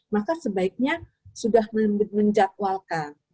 maka sebaiknya sudah menjatuhkan